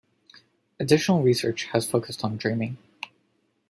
Additional research has focused on dreaming.